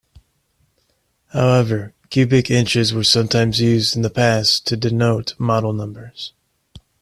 However, cubic inches were sometimes used in the past to denote model numbers.